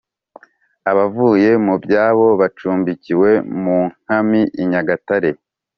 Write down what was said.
abavuye mu byabo bacumbikiwe munkami I nyagatare